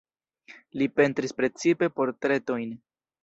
Li pentris precipe portretojn.